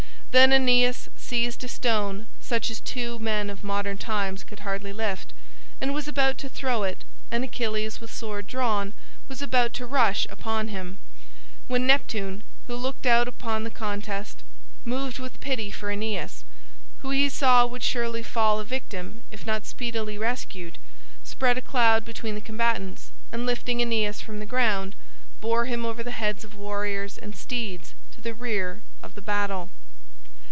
Then Aeneas seized a stone, such as two men of modern times could hardly lift, and was about to throw it, and Achilles, with sword drawn, was about to rush upon him, when Neptune, who looked out upon the contest, moved with pity for Aeneas, who he saw would surely fall a victim if not speedily rescued, spread a cloud between the combatants, and lifting Aeneas from the ground, bore him over the heads of warriors and steeds to the rear of the battle.